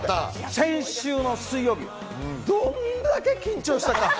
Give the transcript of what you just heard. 先週の水曜日が初めて、どんだけ緊張したか。